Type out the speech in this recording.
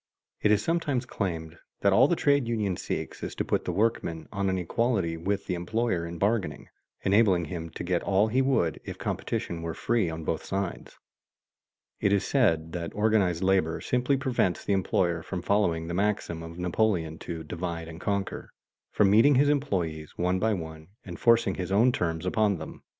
It is sometimes claimed that all the trade union seeks is to put the workman on an equality with the employer in bargaining, enabling him to get all he would if competition were free on both sides. It is said that organized labor simply prevents the employer from following the maxim of Napoleon to "divide and conquer," from meeting his employees one by one and forcing his own terms upon them.